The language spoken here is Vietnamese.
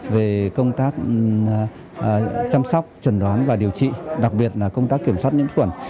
về công tác chăm sóc chuẩn đoán và điều trị đặc biệt là công tác kiểm soát nhiễm cuộn